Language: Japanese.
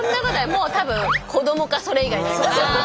もう多分「子どもかそれ以外」になりますよ。